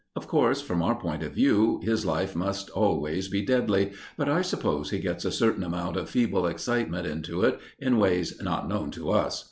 Of course, from our point of view, his life must always be deadly, but I suppose he gets a certain amount of feeble excitement into it, in ways not known to us.